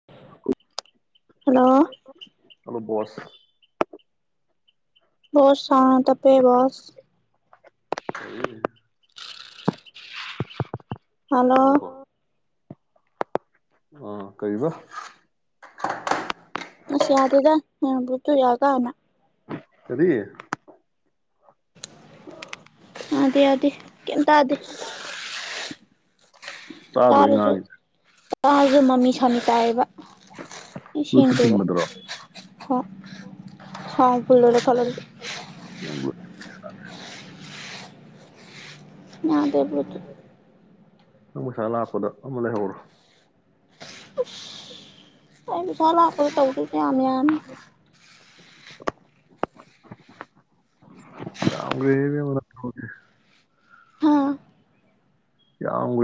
[unintelligible] hello ꯍꯂꯣꯕꯣꯁ ꯁ ꯁꯅ ꯇꯄꯦꯕꯁ ꯍ ꯍꯜꯂꯣ ꯑ ꯀ ꯑꯁ ꯌꯥꯗꯦꯗꯕꯨꯠꯇꯨ ꯌꯥ ꯀꯅ ꯀꯔꯤꯦ ꯑꯗ ꯑꯗꯦ ꯀꯇ ꯑꯗꯦ ꯇꯥꯗꯣꯏ ꯉꯥꯡꯉꯦ ꯋꯥꯁꯨ ꯃꯃꯤ ꯁꯅꯤ ꯇꯥꯏꯕ ꯁꯤꯟ ꯕ꯭ꯂꯨꯇꯨꯠ ꯇꯨꯔ ꯊꯤꯟꯕꯗꯨꯔꯣ ꯍ ꯍꯥꯎ ꯐꯜꯂ ꯐꯂꯔ ꯎꯕ ꯌꯥꯗꯦꯕ꯭ꯂꯣꯠꯇ ꯪ ꯃꯁꯂ ꯍꯥꯞꯄꯗ ꯑꯂ ꯍꯧꯔ ꯑꯩ ꯄꯩꯁꯥ ꯂꯥꯛꯄꯗ ꯇꯧꯗꯣꯏꯁꯦ ꯌꯥꯝ ꯌꯥꯝ ꯑꯃꯅꯦ ꯍꯥ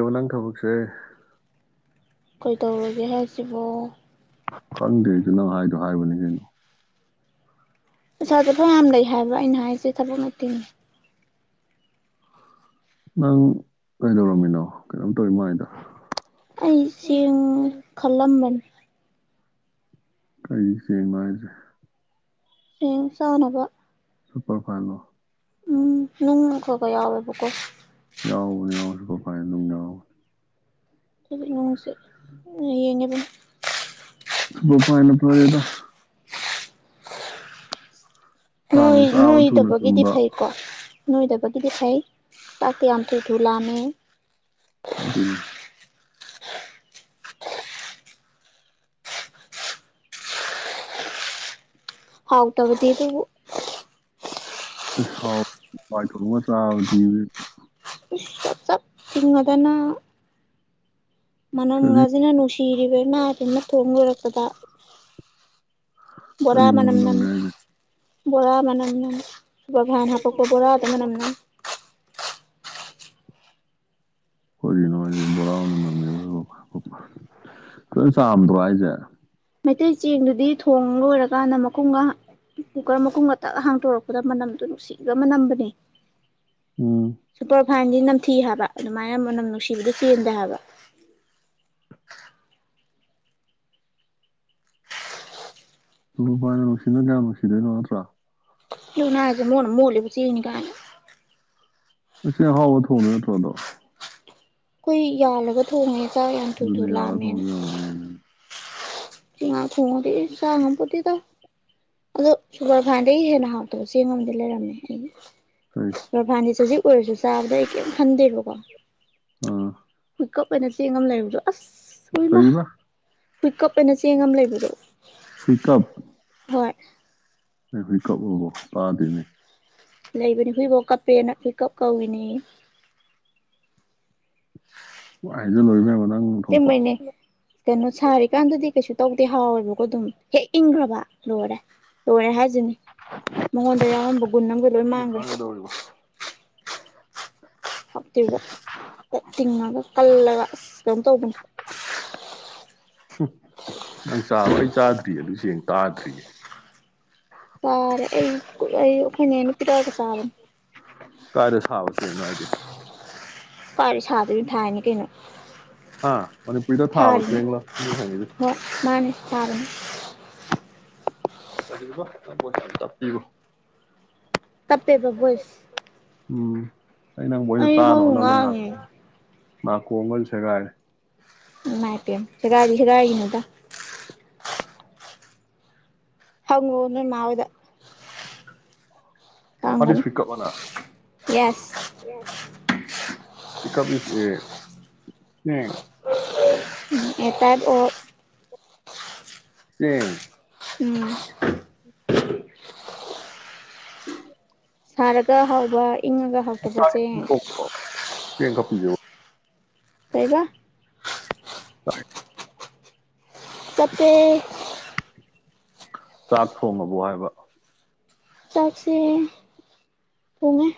ꯇꯧ ꯂꯪ ꯈꯕꯁꯦ ꯀꯩꯗꯧꯔꯒꯦ ꯍꯥꯏꯁꯤꯕ ꯈꯪꯗꯦ ꯑꯩꯁꯨ ꯅꯪ ꯍꯥꯏꯗꯣ ꯍꯥꯏꯕꯅꯤ ꯀꯩꯅꯣ ꯑꯆꯥꯥ ꯆꯠꯊ ꯌꯥꯝ ꯂꯩ ꯍꯥꯏꯕ ꯑꯩꯅ ꯍꯥꯏꯁꯦ ꯊꯕꯛ ꯅꯤꯅꯤ ꯅꯪ ꯀꯩꯗꯧꯔꯝꯃꯤꯅꯣ ꯀꯩꯅꯣꯝ ꯇꯧꯔꯤ ꯃꯥꯏꯗ ꯑꯩ ꯆꯦ ꯈꯜꯂꯝꯕꯟ ꯀꯔꯤ ꯁꯦꯡ ꯃꯥꯁꯦ ꯦꯡ ꯆꯥꯅꯕ ꯁꯨꯄꯔ ꯐꯥꯏꯅꯣ ꯎꯝ ꯅꯅꯨꯡ ꯀꯒ ꯌꯥꯎꯦꯕꯀꯣ ꯌꯥꯑꯣꯅꯤ ꯌꯥꯎ ꯁꯤꯀꯣ ꯐꯥꯏ ꯇꯨꯝ ꯌꯥꯑꯣ ꯅꯅꯁꯦ ꯏꯉꯕꯟ ꯁꯨꯄꯔ ꯐꯥꯟꯅ ꯄꯔꯗ ꯆꯥꯡ ꯅꯣꯏ ꯆꯥꯕ ꯅꯣꯏ ꯊꯨꯅ ꯏꯗꯕꯒꯤꯗꯤ ꯇꯨꯝꯕ ꯐꯩꯀꯣ ꯅꯣꯏꯗꯕꯒꯤꯗꯤ ꯐꯩ ꯆꯥꯛꯇ ꯌꯥꯝ ꯊꯨ ꯊꯨ ꯂꯥꯑꯝꯃꯦ ꯑꯗꯨꯅꯦ ꯍꯥꯎ ꯇꯕꯗꯤ ꯑꯗꯨꯕꯨ ꯁꯥꯎ ꯊꯂꯉ ꯆꯥꯕꯗꯤ ꯁꯤꯉꯗꯅ ꯀꯔꯤ ꯃꯅꯝꯒꯁꯤꯅ ꯅꯨꯡꯁꯤꯔꯤꯕꯅꯁꯤꯅ ꯊꯣꯡ ꯂꯨꯔꯛꯄꯗ ꯕꯣꯔꯥ ꯀꯔꯤ ꯃꯅꯝ ꯃꯅꯝꯅꯝ ꯅꯝꯒꯦ ꯍꯥꯏꯁꯦ ꯕꯣꯔ ꯃꯅꯝ ꯀꯨꯄꯥꯚꯥꯏꯅ ꯍꯥꯄ ꯀ ꯄꯨ ꯇꯅ ꯃꯅ ꯍꯈꯣꯏꯒꯤ ꯅꯣꯁ ꯕꯣꯔꯥꯅ ꯅꯝꯃꯤꯕ ꯂꯣꯏ ꯆꯥꯝꯗ꯭ꯔꯣ ꯍꯥꯏꯁꯦ ꯃꯩꯇꯩ ꯆꯦꯡꯗꯨꯗꯤ ꯊꯣꯡ ꯂꯣꯏꯔꯀꯥꯟꯗ ꯃꯈꯨꯝꯒ ꯀꯨꯀꯔ ꯃꯈꯨꯝꯒ ꯇꯛ ꯍꯥꯡꯇꯣꯔꯛꯄꯗ ꯃꯅꯝꯗꯨꯣ ꯅꯨꯡꯁꯤꯒ ꯃꯅꯝꯕꯅꯦ ꯎꯝ ꯐꯥꯏꯟꯗꯤ ꯅꯝꯊꯤ ꯍꯥꯏꯕ ꯑꯗꯨꯃꯥꯏꯅ ꯃꯅꯝ ꯅꯨꯡꯁꯤꯕꯗꯨ ꯆꯦꯟꯗꯦ ꯍꯥꯏꯕ ꯄꯥꯥꯏꯅ ꯅꯨꯡꯁꯤꯅꯗ꯭ꯔꯥ ꯅꯨꯡꯁꯤꯗꯣꯏꯅꯣ ꯅꯠꯇ꯭ꯔꯥ ꯀꯅ ꯑꯖ ꯃꯅ ꯃ ꯍꯧꯂꯕꯨ ꯆ ꯀꯅꯤꯀ ꯍꯥꯏꯅ ꯑꯆꯥ ꯍꯥꯎ ꯊ ꯍꯅ ꯊꯗ ꯑꯩꯈ ꯌꯥꯜꯂꯒ ꯊꯣꯡꯉꯦ ꯌꯥꯝꯡꯊꯨ ꯑꯗꯨꯅ ꯌꯥꯔ ꯊꯨꯂꯥꯑꯃꯦ ꯊꯣꯡꯗꯣꯏ ꯑꯣꯏꯔꯝꯒꯅꯤ ꯑꯗꯨꯅꯤ ꯆꯉꯥ ꯈꯣꯡꯉꯨꯗꯤ ꯁꯥ ꯉꯄꯗꯤꯗꯣ ꯑꯗꯣ ꯁꯨꯒꯔ ꯐꯥꯟꯗꯒꯤ ꯍꯦꯟꯅ ꯍꯥꯎꯇꯕ ꯆꯦꯡꯉꯝꯗꯤ ꯂꯩꯔꯝꯃꯦ ꯑꯩꯒꯤ ꯀꯔꯤ ꯔꯚꯅꯤꯁꯖꯤ ꯑꯣꯏꯔꯁꯨ ꯆꯥꯕꯗ ꯑꯩ ꯀꯔꯤꯝ ꯈꯟꯗꯦꯕꯀꯣ ꯑꯥ ꯄꯤꯀꯞ ꯑꯣꯏꯅ ꯆꯦꯡ ꯑꯃ ꯂꯩꯕ꯭ꯔꯣ ꯑꯁ ꯎꯃ ꯀꯔꯤꯕ ꯄꯤꯛꯑꯞ ꯑꯩꯈꯣꯏꯅ ꯆꯦꯡ ꯑꯃ ꯂꯩꯕꯗꯣ ꯍꯤꯀꯞ ꯍꯣꯏ ꯑꯩ ꯍꯧꯏ ꯀ ꯄꯥꯗꯅꯦ ꯂꯩꯕꯅꯤ ꯍꯣꯏꯕꯧ ꯀꯥꯄꯦꯅ ꯀꯞ ꯀꯧꯋꯅꯤ ꯑꯣ ꯍꯥꯏꯖ ꯂꯣꯏꯃꯦ ꯆꯃꯩꯅꯦ ꯀꯩꯅꯣ ꯁꯔꯦ ꯀꯥꯟꯗꯗꯤ ꯀꯩꯁꯨ ꯇꯧꯗꯦ ꯍꯥꯎꯋꯦꯕꯀꯣ ꯑꯗꯨꯝ ꯍꯦꯛ ꯏꯪꯈ꯭ꯔꯕ ꯂꯣꯏꯔꯦ ꯂꯣꯏꯔꯦ ꯍꯥꯏ ꯁꯤꯅꯤ ꯃꯉꯣꯟꯗ ꯌꯥꯎꯔꯝꯕ ꯒꯨꯟ ꯑꯃꯒ ꯂꯣꯏ ꯊꯤꯅ ꯃꯥꯡꯈ꯭ꯔꯦ ꯉꯥꯡꯒꯗꯧꯔꯤꯕ ꯍꯥꯞꯇꯗ ꯇꯤꯡꯉꯒ ꯀꯜꯂꯒ ꯑꯁ ꯀꯩꯅꯣ ꯇꯧꯕꯅꯦ ꯅꯪ ꯆꯥꯔꯣ ꯑꯩ ꯆꯥꯗ꯭ꯔꯤ ꯑꯗꯨꯁꯡ ꯇꯥꯗ꯭ꯔꯤꯌꯦꯦ ꯇꯔ ꯑꯩ ꯑꯩ ꯑꯩꯈꯣꯏꯅꯦ ꯅꯨꯄꯤꯗꯒ ꯆꯥꯕ ꯀꯥꯏꯔꯦ ꯁꯥꯕꯁꯦꯡꯅꯣ ꯍꯥꯏꯁꯦ ꯄꯥꯔ ꯁꯥꯥꯗꯕꯤ ꯐꯅꯤ ꯀꯅꯣ ꯍꯥ ꯃꯅꯤꯄꯨꯔꯤꯗ ꯊꯥꯕ ꯆꯦꯥ ꯁꯤꯨꯝ ꯍꯪꯉꯤꯁꯦ ꯐ ꯄꯩꯁꯥ ꯇꯞꯄꯤꯕꯣ ꯇꯞꯄꯦꯕ ꯚꯣꯏꯁ ꯎꯝ ꯑꯩ ꯍꯧ ꯉꯥꯡꯉꯦ ꯃꯥꯀꯨ ꯎꯃꯜ ꯁꯒꯥꯏꯔ ꯃꯥꯏ ꯄꯤ ꯌꯥꯝꯒꯥꯏꯒꯥꯏꯒꯅꯨꯗ ꯍꯪ ꯅ ꯃꯥꯎꯗ ꯋꯥꯠ ꯏꯁ ꯀꯒꯅꯤ ꯋꯤꯛ ꯑꯞ ꯑꯅ ꯌꯦꯁ ꯀ ꯑꯦ ꯇꯥꯏꯞ ꯑꯣ ꯁꯤꯦ ꯎꯝ ꯁꯥꯔꯒ ꯍꯥꯎꯕ ꯏꯉꯒ ꯍꯧꯇꯄ ꯆꯦ ꯎꯣ ꯀꯩꯕ ꯐꯔ ꯇ ꯆꯥꯛ ꯊꯣꯡꯉꯕ ꯍꯥꯏꯕ ꯆꯥꯛꯁꯤ ꯄꯨꯡꯉ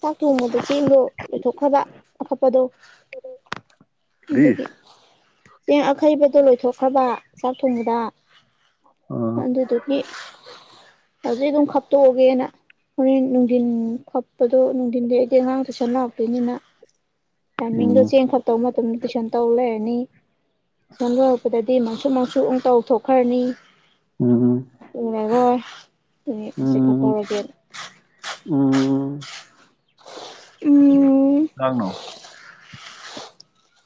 ꯆꯥꯛ ꯊꯣꯡꯕꯗ ꯆꯦꯟꯗꯣ ꯑꯣꯏꯩꯊꯣꯛꯈ꯭ꯔꯕ ꯑꯐꯄꯗꯣ ꯀꯔꯤ ꯑꯗꯨꯒꯤ ꯆꯦꯡ ꯑꯈꯩꯕꯗꯣ ꯂꯣꯏꯊꯣꯛꯈ꯭ꯔꯕ ꯆꯥꯛ ꯊꯣꯡꯕꯗ ꯑꯥ ꯑꯗꯨꯗꯒꯤ ꯍꯧꯖꯤꯛꯒꯨꯝ ꯈ ꯇꯣꯛꯒꯦꯅ ꯍꯣꯔꯦꯟ ꯅꯨꯡꯙꯤꯟ ꯈꯣꯠꯄꯗꯣ ꯅꯨꯡꯊꯤꯟꯗꯤ ꯑꯩꯗꯤ ꯑꯉꯥꯡꯗ ꯁꯝꯅꯔꯛꯇꯣꯏꯅꯤꯅ ꯇꯥꯏꯃꯤꯡꯗꯣ ꯎꯝ ꯆꯦꯡ ꯈꯣꯠꯇꯧꯕ ꯃꯇꯝꯗ ꯇꯨꯏꯁꯟ ꯇꯧ ꯂꯩꯔꯅꯤ ꯆꯪꯗꯔꯛꯄꯗꯗꯤ ꯃꯪꯁꯨ ꯃꯪꯁꯨ ꯑꯃꯪ ꯇꯧ ꯊꯣꯛꯈ꯭ꯔꯅꯤ ꯎꯝ [unintelligible] ꯎꯅꯦ ꯍꯧꯖꯤꯛ ꯎꯝ ꯀꯥꯞꯐꯧꯔꯒꯦ ꯂꯥꯡꯅꯣ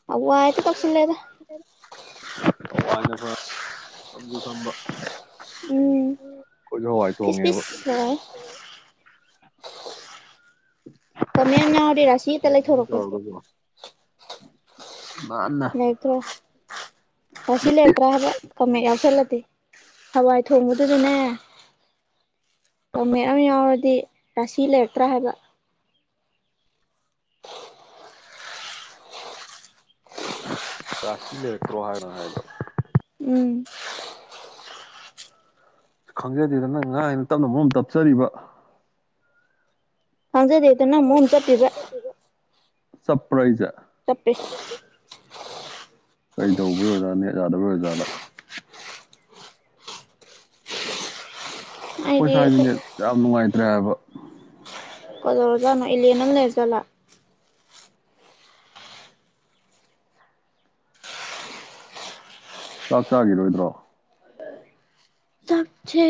ꯍꯋꯥꯏ ꯍꯦꯛꯇ ꯇꯧꯁꯤꯜꯂꯦꯗꯥ ꯖ ꯑꯖꯁꯝꯕ ꯎꯝ ꯄꯤꯁ ꯊꯣꯡꯉꯦꯕ ꯄꯤꯁ ꯂꯩ ꯀꯃꯦꯝ ꯌꯥꯎꯔꯗꯤ ꯔꯥꯁꯤ ꯍꯦꯛꯇ ꯂꯩꯊꯣꯔꯛꯄꯅꯤ ꯇꯧꯔꯒꯀꯣ ꯅꯥꯟꯅ ꯂꯩꯔꯛꯇ꯭ꯔꯣ ꯔꯥꯁꯤ ꯂꯩꯔꯛꯇ꯭ꯔꯥ ꯍꯥꯏꯕ ꯀꯪꯃꯦꯠ ꯌꯥꯎꯁꯜꯂꯗꯤ ꯍꯋꯥꯏ ꯊꯣꯡꯕꯗꯨꯗꯅꯦ ꯀꯪꯃꯦꯠ ꯑꯃ ꯌꯥꯎꯔꯗꯤ ꯔꯥꯁꯤ ꯂꯩꯔꯛꯇ꯭ꯔꯥ ꯍꯥꯏꯕ ꯔꯥꯁꯤꯅꯦꯀ꯭ꯔꯋꯥꯅ ꯍꯥꯏꯗ ꯎꯝ ꯁ ꯈꯪꯖꯗꯦꯗ ꯅꯪ ꯉꯥꯡꯉꯤ ꯇꯞꯅ ꯃꯔꯣꯝ ꯇꯞꯆꯔꯤꯕ ꯈꯪꯖꯗꯦ ꯑꯇ ꯅꯪ ꯃꯣꯝ ꯆꯞꯄꯤꯕ ꯆꯞꯄ꯭ꯔꯥ ꯑꯩꯖꯦ ꯆꯞꯄꯦ ꯀꯩ ꯇꯧꯕ ꯑꯣꯖꯥꯅꯦ ꯌꯥꯗꯕ ꯔ ꯑꯣꯖꯥꯗ ꯑꯩꯈꯣꯏ ꯁ꯭ꯋꯥꯏꯖꯤ ꯅꯦꯠ ꯌꯥꯝ ꯅꯨꯡꯉꯥꯏꯇ꯭ꯔꯦ ꯍꯥꯏꯕ ꯎ ꯀꯗꯧꯔꯖꯅꯣ ꯏꯂꯦ ꯅꯪ ꯂꯩꯔꯖꯥꯜꯂ ꯆꯥꯛ ꯆꯥꯒꯤꯔꯣꯏꯗ꯭ꯔꯣ ꯁꯦ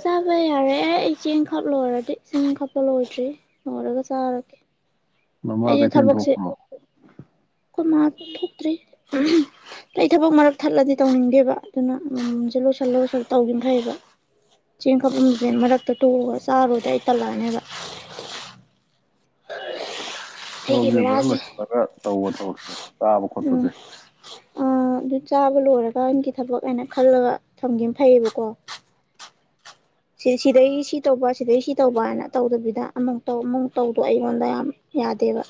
ꯆꯥꯕ ꯌꯥꯔꯦ ꯑꯩ ꯆꯦꯡ ꯈꯞ ꯂꯣꯏꯔꯗꯤ ꯆꯦꯡ ꯈꯞꯄ ꯂꯣꯏꯗ꯭ꯔꯤ ꯂꯣꯏꯔꯒ ꯆꯥꯔꯒꯦ ꯅꯃꯥ ꯀꯩꯊꯦꯜ ꯊꯣꯛꯣꯡꯈ꯭ꯔꯣ ꯈꯣꯏ ꯃꯥꯛ ꯊꯣꯛꯇ꯭ꯔꯤ ꯎꯝꯍꯨꯝ ꯑꯩ ꯊꯕꯛ ꯃꯔꯛ ꯊꯠꯂꯗꯤ ꯇꯧꯅꯤꯡꯗꯦꯕ ꯑꯗꯨꯅ ꯑꯃꯃꯝꯖꯦ ꯂꯣꯏꯁꯜ ꯂꯣꯏꯁꯜꯂ ꯇꯧꯒꯤꯝ ꯐꯩꯕ ꯆꯦꯡ ꯈꯞꯂꯝꯕꯖꯦ ꯃꯔꯛꯇ ꯇꯣꯛꯑꯒ ꯆꯥꯔꯨꯔꯗꯤ ꯑꯩ ꯇꯜꯂꯛꯑꯅꯦꯕ ꯑꯩꯒꯤ ꯊꯕꯛꯁꯦ ꯐꯖꯅ ꯕꯦꯔꯥꯁꯦ ꯂꯣꯏꯁꯜꯂꯒ ꯇꯧꯕ ꯊꯕꯛꯁꯦ ꯆꯥꯕ ꯈꯣꯠꯄꯁꯦ ꯑꯥ ꯑꯗꯨ ꯆꯥꯕ ꯂꯣꯏꯔꯀꯥꯟꯒꯤ ꯊꯕꯛ ꯑꯣꯏꯅ ꯈꯜꯂꯒ ꯊꯝꯒꯤꯝ ꯐꯩꯌꯦꯕꯀꯣ ꯁꯤꯗꯩ ꯁꯤ ꯇꯧꯕ ꯁꯤꯗꯒꯤꯩ ꯁꯤ ꯇꯧꯕ ꯍꯥꯏꯅ ꯇꯧꯗꯕꯤꯗ ꯑꯃꯨꯛꯧ ꯑꯃꯨꯛ ꯇꯧꯗꯣ ꯑꯩꯉꯣꯟꯗ ꯌꯥꯝ ꯌꯥꯗꯦꯕ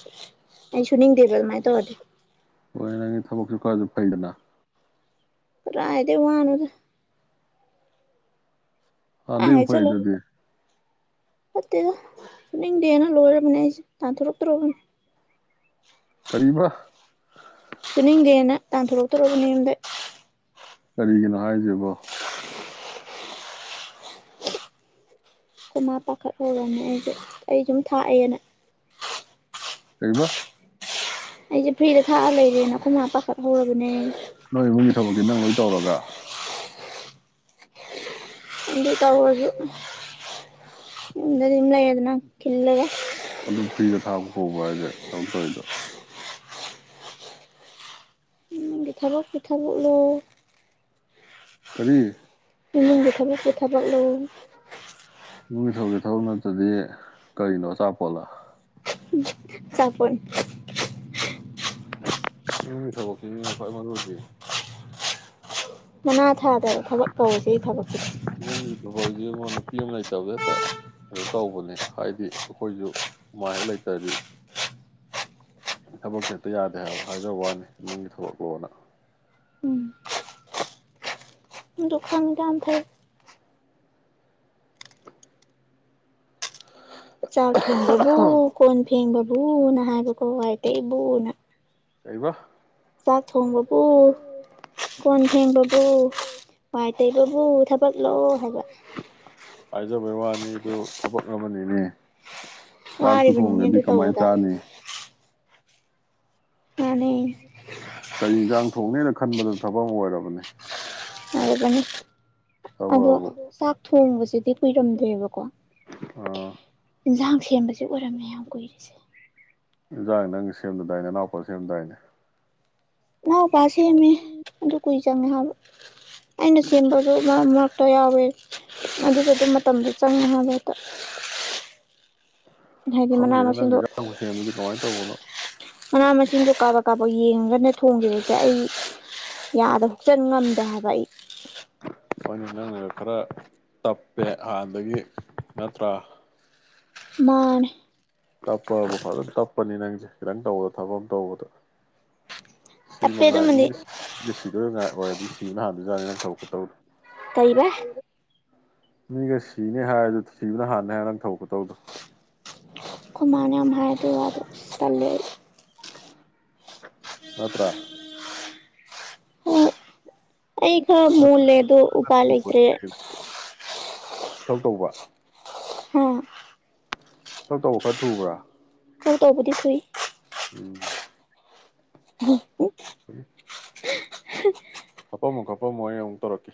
ꯑꯩ ꯁꯨꯅꯤꯡꯗꯦꯕ ꯑꯗꯨꯃꯥꯏꯅ ꯇꯧꯔꯗꯤ ꯀꯛꯑꯖꯨ ꯐꯩꯗꯅ ꯔꯥꯑꯗ ꯍꯅꯗ ꯑꯕꯦꯡ ꯐꯣꯔꯩꯗꯨꯗꯤ ꯄꯠꯇꯗꯒꯦꯅ ꯂꯕꯅꯦꯁꯤ ꯇ ꯊꯔꯣꯛ ꯇꯔꯣꯒꯅꯤ ꯀꯔꯤꯕ ꯆꯨꯅꯤꯡꯗꯦꯅ ꯇꯥꯟꯊꯣꯔꯛꯇꯣꯔꯔꯕꯅꯤ ꯌꯨꯝꯗ ꯀꯔꯤꯒꯤꯅꯣ ꯍꯥꯏꯁꯕꯣ ꯑꯈꯣꯏꯃꯥ ꯄꯥꯈꯠ ꯍꯧꯔꯝꯅꯦ ꯑꯩꯖꯦ ꯑꯩ ꯁꯨꯝ ꯊꯥꯛꯑꯦꯅ ꯀꯔꯤꯕꯥ ꯑꯩꯁꯦ ꯐ꯭ꯔꯤꯗ ꯊꯥꯛꯑ ꯂꯩꯔꯦꯅ ꯑꯩꯈꯣꯏꯅ ꯄꯥꯈꯠꯍꯔꯕꯅꯦ ꯅꯣꯏ ꯏꯃꯨꯡꯒꯤ ꯊꯕꯛꯇꯤ ꯅꯪ ꯂꯣꯏ ꯇꯧꯔꯒ ꯗꯤ ꯇꯥ ꯑꯣꯏꯔ ꯏꯗꯤꯝꯂ ꯌꯦꯗꯅ ꯀꯤꯂꯒꯦ ꯍꯕꯥꯏꯗꯦ ꯇꯧꯛꯇꯗ ꯄꯤꯊꯕꯛ ꯄꯤꯊꯕꯣ ꯂ ꯀꯕꯤ ꯏꯃꯨꯡꯒꯤ ꯊꯥꯕ ꯄꯤ ꯊꯥꯕꯛ ꯂꯨ ꯅꯤꯡꯒꯤꯊꯧꯒꯤ ꯊꯕ ꯅꯠꯇꯗꯤ ꯀꯔꯤꯅꯣ ꯑꯆꯥꯄꯣꯠꯂ ꯆꯄꯣꯟ ꯊꯕꯉ ꯀꯣꯏ ꯃ ꯔꯗꯤ ꯃꯅꯥ ꯊꯥꯗ ꯊꯕꯛ ꯀꯧꯔꯤꯁꯤꯦ ꯑꯩ ꯊꯕꯛꯁꯦ ꯐꯤ ꯑꯃ ꯂꯩꯇꯕꯗ ꯍꯦꯛꯇ ꯀꯩꯅꯣ ꯇꯧꯕꯅꯤ ꯍꯥꯏꯗꯤ ꯑꯩꯈꯣꯏꯁꯨ ꯃꯥꯥꯏ ꯍꯦꯛ ꯂꯩꯇ꯭ꯔꯗꯤ ꯊꯕꯛꯁꯦ ꯍꯦꯛꯇ ꯌꯥꯗꯦ ꯍꯥꯏꯕ ꯍꯥꯏꯖꯕ ꯋꯥꯅꯤ ꯏꯃꯨꯡꯒꯤ ꯊꯕꯛ ꯂꯣꯅ ꯂꯣꯛꯁꯥꯟ ꯌꯥ ꯊꯦ ꯆꯥꯎ ꯊꯣꯡꯕꯕꯕꯨ ꯀꯣꯟ ꯊꯦꯡꯕꯕꯨꯡꯅ ꯍꯥꯏꯕ ꯀꯣꯇꯦ ꯏꯕꯨꯡꯅ ꯀꯩꯔꯤꯕ ꯆꯥꯛ ꯊꯣꯡꯕꯕꯨ ꯀꯣꯟ ꯊꯦꯡꯕꯕꯨ ꯄꯥꯏ ꯇꯩꯕꯕꯨ ꯊꯕꯛ ꯂꯣ ꯍꯥꯏꯕ ꯍꯥꯏꯥꯏꯖꯕꯩ ꯋꯥꯅꯤꯗꯨ ꯊꯕꯛ ꯑꯃꯅꯤꯅꯦ ꯆꯥꯛꯇꯨ ꯋꯥꯔꯤꯕꯅꯤꯅꯦ ꯊꯣꯡꯒꯗꯤ ꯑꯗꯨ ꯀꯃꯥꯏꯅ ꯇꯧꯕꯗ ꯆꯥꯅꯤ ꯑꯅꯤ ꯀꯔꯤ ꯏꯟꯁꯥꯡ ꯊꯣꯡꯅꯤꯅ ꯈꯟꯕꯗ ꯊꯕꯛ ꯑꯃ ꯑꯣꯏꯔꯕꯅꯤ ꯅꯤ ꯑꯗꯣ ꯊꯕꯛꯑꯕꯨ ꯆꯥꯛ ꯊꯣꯡꯕꯁꯤꯗꯤ ꯀꯨꯏꯔꯝꯗꯦꯕꯀꯣ ꯑꯣꯥ ꯌꯦꯟꯁꯥꯡ ꯁꯦꯝꯕꯁꯨ ꯑꯣꯏꯔꯝꯃꯦ ꯌꯥꯝ ꯀꯨꯏꯔꯤꯁꯦ ꯏꯟꯖꯥꯡ ꯅꯪ ꯁꯦꯝꯅꯗꯥꯏꯅꯦ ꯏꯅꯥꯎꯄꯥ ꯁꯦꯝꯗꯥꯏꯅꯦ ꯏꯅꯥꯎꯄꯥ ꯁꯦꯝꯃꯦ ꯑꯗꯨ ꯀꯨꯏ ꯆꯪꯉꯦ ꯍꯥꯏꯕ ꯑꯩꯅ ꯁꯦꯝꯕꯁꯨ ꯃꯔꯛ ꯃꯔꯛꯇ ꯌꯥꯎꯋꯦ ꯑꯗꯨꯗꯗꯤ ꯃꯇꯝꯗ ꯆꯪꯅꯉ ꯍꯦꯛꯇ ꯍꯥꯏꯗꯤ ꯃꯅꯥ ꯈꯪꯗꯦꯅ ꯅꯪ ꯃꯁꯤꯡꯗꯣ ꯏꯖꯥꯡꯕꯁꯦ ꯑꯗꯨꯗꯤ ꯀꯃꯥꯏꯅ ꯇꯧꯕꯅꯣ ꯃꯅꯥ ꯃꯁꯤꯡꯗꯣ ꯀꯥꯞꯕ ꯀꯥꯞꯄ ꯌꯦꯡꯉꯒꯅ ꯊꯣꯡꯈꯤꯕꯁꯦ ꯑꯩ ꯌꯥꯗ ꯍꯆꯟ ꯉꯝꯗꯦ ꯍꯥꯏꯕ ꯑꯩ ꯑꯩꯪꯅ ꯅꯪꯉꯒ ꯈꯔ ꯇꯞꯄꯦ ꯍꯥꯟꯅꯗꯒꯤ ꯅꯠꯇ꯭ꯔꯥ ꯃꯥ ꯇꯞꯄꯕꯨ ꯐꯖꯅ ꯇꯞꯄꯅꯤ ꯅꯪꯁꯦ ꯈꯤꯇꯪ ꯇꯧꯕꯗ ꯊꯕꯛ ꯑꯃ ꯇꯧꯕꯗ ꯁꯤ ꯇꯞꯄꯦ ꯑꯗꯨꯃꯗꯤ ꯉꯥꯏꯁꯤꯗꯣꯏ ꯉꯥꯏ ꯑꯣꯏꯔꯗꯤ ꯁꯤ ꯁꯤꯕꯅ ꯍꯥꯥꯟꯕꯗꯨꯥꯔꯅꯤ ꯅꯪ ꯊꯕꯛꯄ ꯇꯧꯗꯣ ꯇꯩꯕ ꯃꯤꯒ ꯁꯤꯅꯦ ꯍꯥꯏꯔꯗꯨ ꯁꯤꯕꯅ ꯍꯥꯟꯅ ꯍꯥꯏ ꯅꯪ ꯊꯧꯄ ꯇꯧꯗꯨꯣ ꯀꯨꯃꯥꯟꯅ ꯑꯃꯍꯔꯗ ꯑꯗꯨ ꯇꯜꯂꯤꯦ ꯅꯠꯇ꯭ꯔꯥ ꯍꯣꯏ ꯑꯩ ꯈꯔ ꯃꯣꯜꯂꯦ ꯑꯗꯨ ꯎꯄꯥꯏ ꯂꯩꯇ꯭ꯔꯦ ꯀꯧ ꯇꯧꯕ ꯍꯥ ꯊꯕꯛ ꯇꯧꯕ ꯈꯔ ꯊꯨꯕ꯭ꯔꯥ ꯊꯕꯛ ꯇꯧꯕꯗꯤ ꯊꯨꯏ ꯎꯝ ꯎ ꯄꯨ [inaudible] ꯍꯥꯞꯄꯝꯃꯣ ꯍꯥꯄꯝꯃꯣ ꯑꯩ ꯑꯃꯨꯛ ꯇꯧꯔꯛꯀꯦ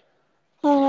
ꯍꯣꯏ ꯍꯣꯏ